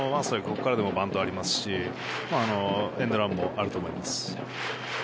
ここからでもバントがありますしエンドランもあると思います。